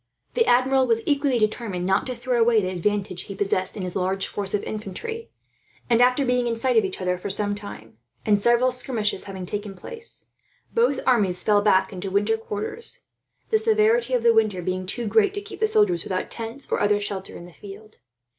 The Admiral was equally determined not to throw away the advantage he possessed in his large force of infantry; and after being in sight of each other for some time, and several skirmishes having taken place, both armies fell back into winter quarters the severity of the weather being too great to keep the soldiers, without tents or other shelter, in the field.